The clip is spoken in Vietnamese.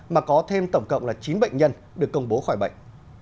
mà có thêm tổng cộng là chín bệnh nhân được công bố khỏi bệnh